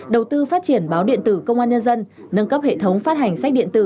đầu tư phát triển báo điện tử công an nhân dân nâng cấp hệ thống phát hành sách điện tử